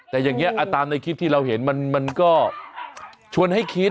แต่อย่างนี้ตามในคลิปที่เราเห็นมันก็ชวนให้คิด